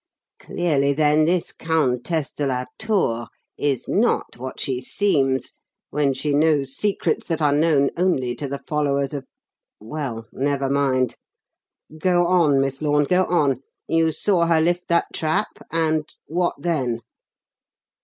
Clearly, then, this Countess de la Tour is not what she seems, when she knows secrets that are known only to the followers of well, never mind. Go on, Miss Lorne, go on. You saw her lift that trap; and what then?"